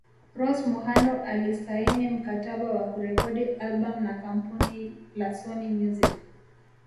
Rose Muhando alisaini mkataba wa kurekodi albam na kampuni la Sony Music